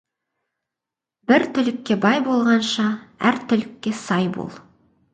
Бір түлікке бай болғанша, әр түлікке сай бол.